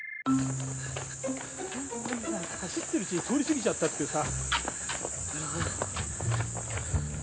本当にさ走ってるうちに通り過ぎちゃったっていうさ。